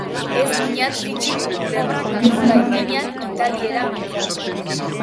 Ez dinat fitsik ulertu, ez baitinat italiera mintzatzen.